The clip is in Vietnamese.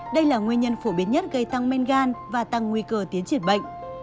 đây là nguyên nhân phổ biến nhất gây tăng men gan và tăng nguy cơ tiến triển bệnh